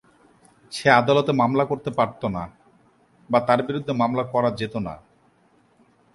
সে আদালতে মামলা করতে পারত না বা তার বিরুদ্ধে মামলা করা যেত না।